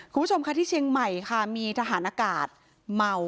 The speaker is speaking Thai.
คุณผู้ชมค่ะที่เชียงใหม่ค่ะมีทหารอากาศเมา